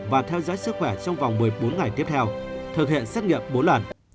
và theo dõi sức khỏe trong vòng một mươi bốn ngày tiếp theo thực hiện xét nghiệm bốn lần